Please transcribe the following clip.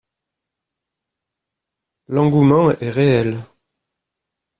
L'engouement est réel.